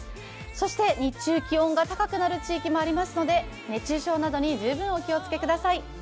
そして、日中気温が高くなる地域もありますので、熱中症などに十分お気をつけください。